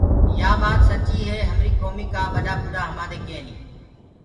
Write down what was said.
يآ ٻآت سچيٚ هي همريٚ ڪوميٚ ڪآ ٻڏآ ٻوٚڏآ همانٚدي ڪينيٚ۔